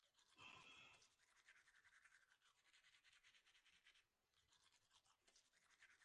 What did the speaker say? دا هیڅ مناسبه نه ده.